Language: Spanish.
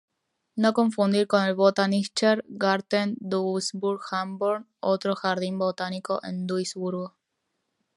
No confundir con el Botanischer Garten Duisburg-Hamborn, otro jardín botánico en Duisburgo.